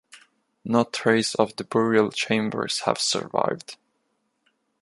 No trace of the burial chambers have survived.